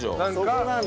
そこなんだ。